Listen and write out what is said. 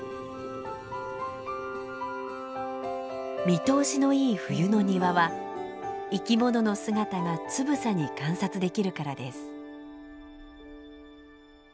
見通しのいい冬の庭は生き物の姿がつぶさに観察できるからです。